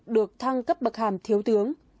được thăng cấp bậc hàm thiếu tướng